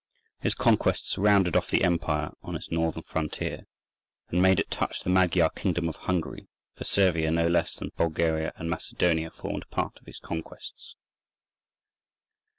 His conquests rounded off the empire on its northern frontier, and made it touch the Magyar kingdom of Hungary, for Servia no less than Bulgaria and Macedonia formed part of his conquests.